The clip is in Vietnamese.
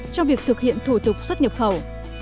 trong việc thực hiện thủ tục xuất nhập khẩu